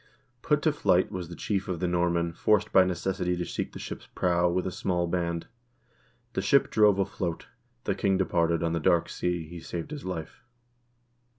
1 Put to flight was the chief of the Northmen, forced by necessity to seek the ship's prow with a small band. The ship drove afloat : the king departed, on the dark sea he saved his life.